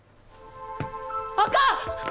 あかん！